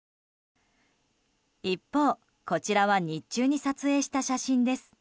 一方、こちらは日中に撮影した写真です。